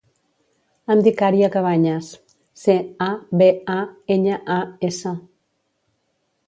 Em dic Ària Cabañas: ce, a, be, a, enya, a, essa.